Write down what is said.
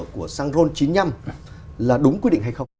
của xăng ron chín mươi năm là đúng quy định hay không